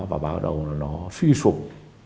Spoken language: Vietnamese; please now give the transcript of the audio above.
và bắt đầu nó suy sụp